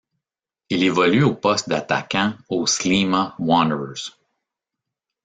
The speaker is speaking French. Il évolue au poste d'attaquant au Sliema Wanderers.